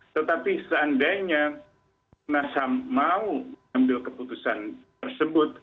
tetapi seandainya komnas ham mau ambil keputusan tersebut